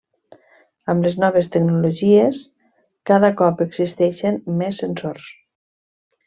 Amb les noves tecnologies cada cop existeixen més sensors.